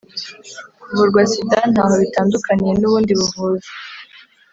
kuvurwa sida ntaho bitandukaniye n’ubundi buvuzi.